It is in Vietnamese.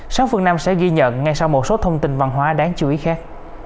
sáu phương năm sẽ ghi nhận ngay sau một số thông tin văn hóa đáng chú ý khác